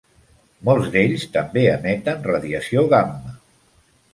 Molts d'ells també emeten radiació gamma.